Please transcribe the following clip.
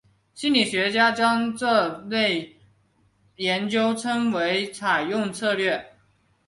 心理学家现在将这类研究称为采用策略。